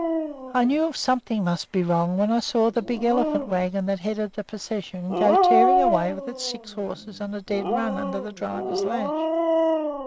I knew something must be wrong when I saw the big elephant wagon that headed the procession go tearing away with its six horses on a dead run under the driver's lash.